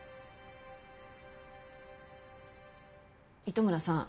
糸村さん